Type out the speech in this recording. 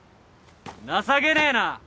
情けねえな。